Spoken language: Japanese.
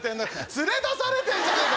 連れ出されてんじゃねえか！